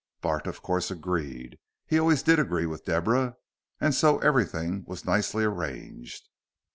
Bart, of course, agreed he always did agree with Deborah and so everything was nicely arranged.